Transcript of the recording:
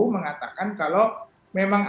mengatakan kalau memang